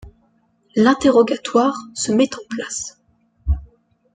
L'interrogatoire se met en place.